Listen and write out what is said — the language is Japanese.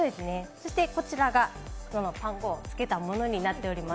そしてこちらがパン粉をつけたものになっています。